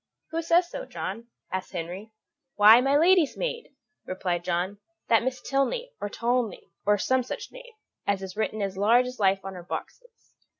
"Who says so, John?" asked Henry. "Why, my lady's maid," replied John; "that Miss Tilney or Tolney, or some such name, as is written as large as life on her boxes.